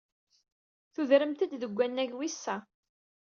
Tudremt-d seg wannag wis sa.